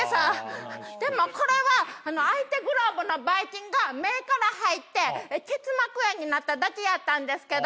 でもこれは相手グローブのばい菌が目から入って結膜炎になっただけやったんですけど。